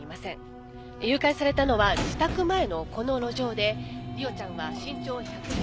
誘拐されたのは自宅前のこの路上で梨央ちゃんは身長１１０ｃｍ。